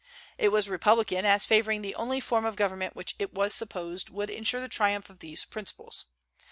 It was republican, as favoring the only form of government which it was supposed would insure the triumph of these principles.